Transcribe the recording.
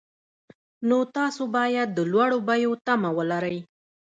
نو تاسو باید د لوړو بیو تمه ولرئ